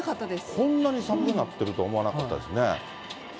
こんなに寒くなってると思わなかったですね。